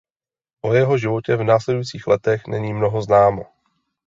O jeho životě v následující letech není mnoho známo.